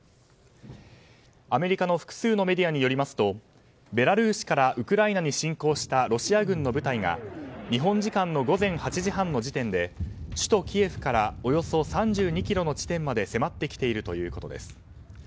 アメリカの複数のメディアによりますとベラルーシからウクライナに侵攻した、ロシア軍の部隊が日本時間の午前８時半の時点で首都キエフからおよそ３２ｋｍの地点まで迫ってきているということです。